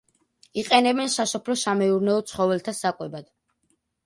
იყენებენ სასოფლო-სამეურნეო ცხოველთა საკვებად.